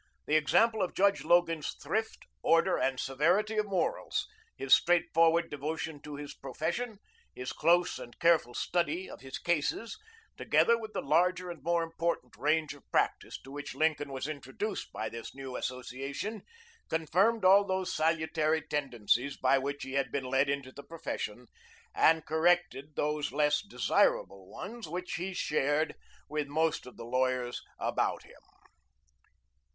The example of Judge Logan's thrift, order, and severity of morals; his straightforward devotion to his profession; his close and careful study of his cases, together with the larger and more important range of practice to which Lincoln was introduced by this new association, confirmed all those salutary tendencies by which he had been led into the profession, and corrected those less desirable ones which he shared with most of the lawyers about him.